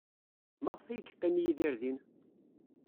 Maɣef ay yeqqim Yidir din?